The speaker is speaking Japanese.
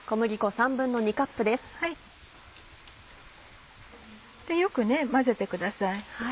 でよく混ぜてください。